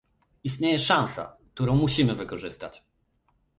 Istnieje szansa, którą musimy wykorzystać